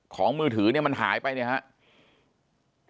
มือถือเนี่ยมันหายไปเนี่ยครับ